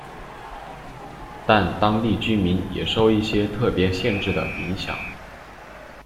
但当地居民也受一些特别限制的影响。